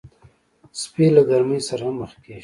سپي له ګرمۍ سره هم مخ کېږي.